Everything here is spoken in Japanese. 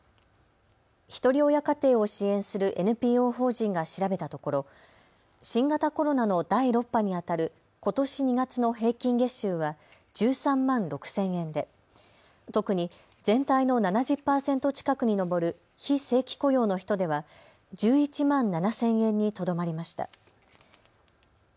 ひとり親家庭を支援するＮＰＯ法人が調べたところ、新型コロナの第６波にあたることし２月の平均月収は１３万６０００円で特に全体の７０％近くに上る非正規雇用の人では１１万７０００円にとどまりました。